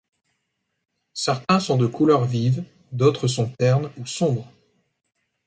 Certains sont de couleurs vives, d'autres sont ternes ou sombres.